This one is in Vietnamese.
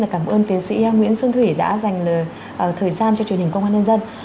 cảm ơn tiến sĩ nguyễn xuân thủy đã dành thời gian cho truyền hình công an nhân dân